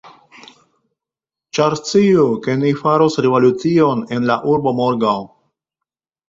Ĉar sciu, ke ni faros revolucion en la urbo morgaŭ.